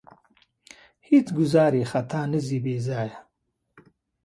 هېڅ ګوزار یې خطا نه ځي بې ځایه.